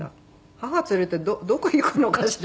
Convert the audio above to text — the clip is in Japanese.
母連れてどこ行くのかしら